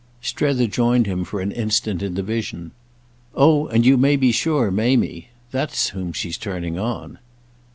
Strether joined him for an instant in the vision. "Oh and you may be sure Mamie. That's whom she's turning on."